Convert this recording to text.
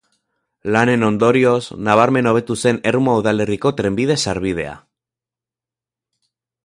Lanen ondorioz nabarmen hobetu zen Ermua udalerriko trenbide sarbidea.